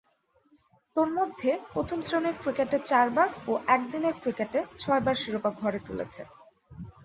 তন্মধ্যে, প্রথম-শ্রেণীর ক্রিকেটে চারবার ও একদিনের ক্রিকেটে ছয়বার শিরোপা ঘরে তুলেছে।